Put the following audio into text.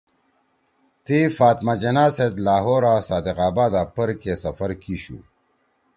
تی فاطمہ جناح سیت لاہورا صادق آبادا پرکے سفر کیِشُو